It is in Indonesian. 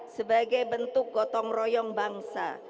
sebagai bentuk gotong royong bangsa